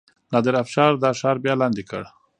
نادر افشار دا ښار بیا لاندې کړ.